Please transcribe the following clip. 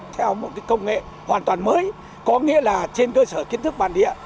theo một công nghệ hoàn toàn mới có nghĩa là trên cơ sở kiến thức bản địa